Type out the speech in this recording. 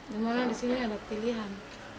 di mana disini ada pilihan